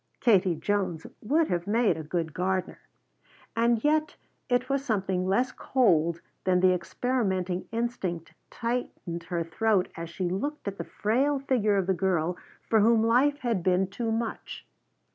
Katie Jones would have made a good gardener. And yet it was something less cold than the experimenting instinct tightened her throat as she looked at the frail figure of the girl for whom life had been too much.